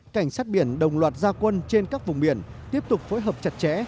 cảnh sát biển đồng loạt gia quân trên các vùng biển tiếp tục phối hợp chặt chẽ